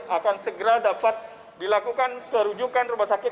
akan segera dapat dilakukan kerujukan rumah sakit